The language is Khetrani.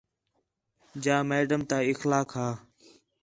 جا میڈم تا اخلاق ہا